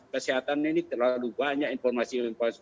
kesehatan ini terlalu banyak informasi informasi